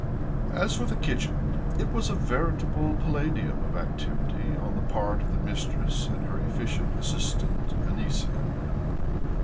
As for the kitchen, it was a veritable palladium of activity on the part of the mistress and her efficient assistant, Anisia.